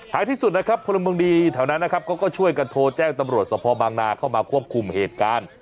ที่สุดนะครับพลเมืองดีแถวนั้นนะครับเขาก็ช่วยกันโทรแจ้งตำรวจสภบางนาเข้ามาควบคุมเหตุการณ์